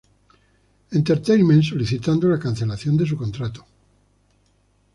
Entertainment solicitando la cancelación de su contrato.